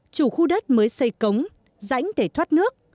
chủ khu đất mới xây cống rãnh để thoát nước